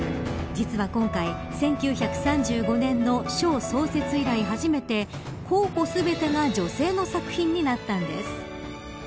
実は今回１９３５年の賞創設以来、初めて候補全てが女性の作品になったんです。